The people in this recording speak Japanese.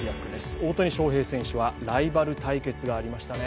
大谷翔平選手はライバル対決がありましたね。